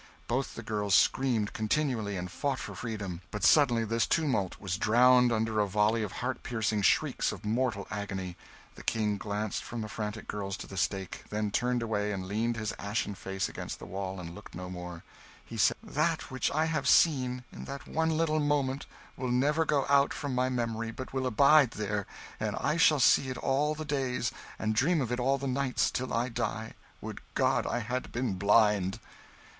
Both the girls screamed continually, and fought for freedom; but suddenly this tumult was drowned under a volley of heart piercing shrieks of mortal agony the King glanced from the frantic girls to the stake, then turned away and leaned his ashen face against the wall, and looked no more. He said, "That which I have seen, in that one little moment, will never go out from my memory, but will abide there; and I shall see it all the days, and dream of it all the nights, till I die. Would God I had been blind!"